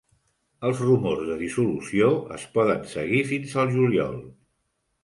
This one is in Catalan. Els rumors de dissolució es poden seguir fins al juliol.